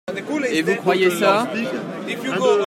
Et vous croyez ça ?